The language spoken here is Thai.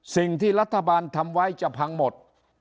สิ่งที่รัฐบาลทำไว้จะพังหมด